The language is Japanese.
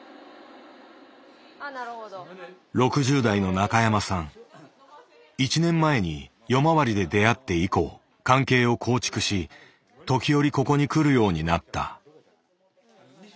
６０代の１年前に夜回りで出会って以降関係を構築し時折ここに来るようになった。